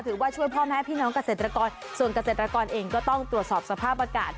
ช่วยพ่อแม่พี่น้องเกษตรกรส่วนเกษตรกรเองก็ต้องตรวจสอบสภาพอากาศ